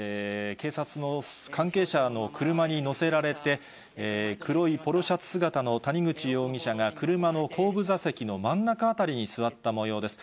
警察の関係者の車に乗せられて、黒いポロシャツ姿の谷口容疑者が、車の後部座席の真ん中辺りに座ったもようです。